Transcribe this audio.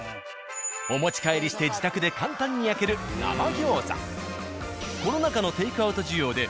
お持ち帰りして自宅で簡単に焼ける生餃子。